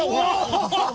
ハハハハ！